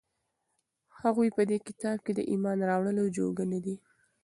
هغوى په دې كتاب د ايمان راوړلو جوگه نه دي،